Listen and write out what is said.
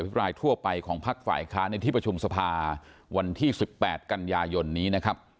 อภิกายทั่วไปของภาคฝ่ายขาฯในที่ประชุมสภาวันที่สิบแปดกันยายนนี้นะครับ